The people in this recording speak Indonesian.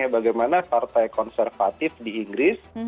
bagaimana partai konservatif di inggris